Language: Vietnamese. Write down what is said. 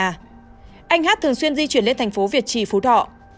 anh hát thường xuyên di chuyển lên thành phố việt trì phú thọ